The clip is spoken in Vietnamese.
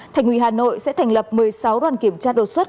thành quỷ hà nội sẽ thành lập một mươi sáu đoàn kiểm tra đột xuất